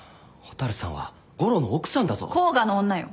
甲賀の女よ